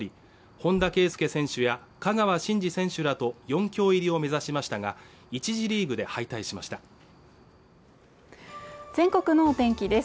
本田圭佑選手や香川真司選手らと４強入りを目指しましたが１次リーグで敗退しました全国のお天気です